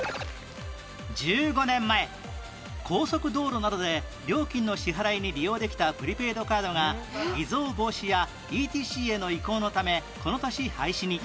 １５年前高速道路などで料金の支払いに利用できたプリペイドカードが偽造防止や ＥＴＣ への移行のためこの年廃止に